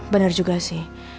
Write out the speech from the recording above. bener juga sih